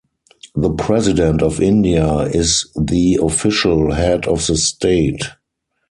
The President of India is the official head of the state.